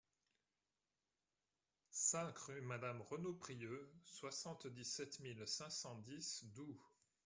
cinq rue Madame Renoux Prieux, soixante-dix-sept mille cinq cent dix Doue